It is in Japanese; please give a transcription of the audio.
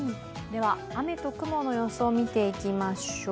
雨と雲の予想を見ていきましょう。